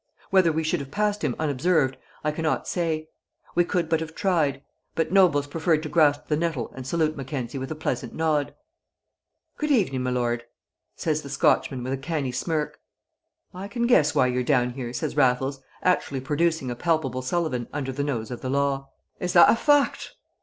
Whether we should have passed him unobserved I cannot say. We could but have tried; but Raffles preferred to grasp the nettle and salute Mackenzie with a pleasant nod. "Good evening, my lord!" says the Scotchman with a canny smirk. "I can guess why you're down here," says Raffles, actually producing a palpable Sullivan under the nose of the law. "Is that a fact?"